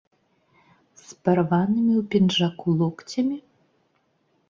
З парванымі ў пінжаку локцямі?